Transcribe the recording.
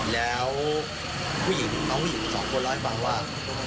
แล้วผู้หญิงน้องผู้หญิงสองคนเล่าให้ฟังว่า